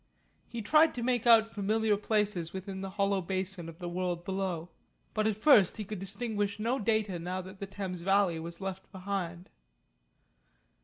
He tried to make out familiar places within the hollow basin of the world below, but at first he could distinguish no data now that the Thames valley was left behind.